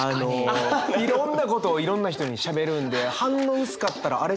いろんなことをいろんな人にしゃべるんで反応薄かったらあれ？